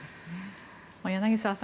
柳澤さん